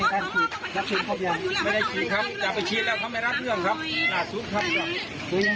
ขอยอมขอยอมครับ